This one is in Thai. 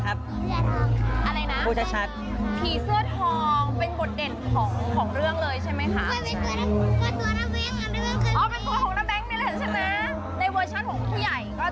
อะไรนะผีเสื้อทองเป็นบทเด่นของเรื่องเลยใช่ไหมคะ